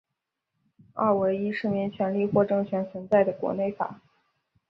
二为依市民权利或政权存在的国内法。